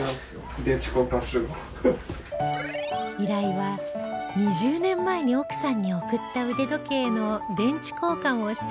依頼は２０年前に奥さんに贈った腕時計の電池交換をしてほしいというもの